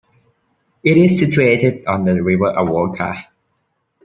It is situated on the River Avoca.